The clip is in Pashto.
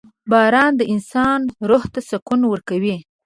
• باران د انسان روح ته سکون ورکوي.